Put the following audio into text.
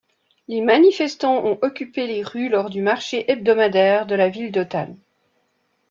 Les manifestants ont occupé les rues lors du marché hebdomadaire de la ville d'Hotan.